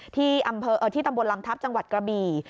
ที่ตำบลลำทัพจังหวัดกระบี่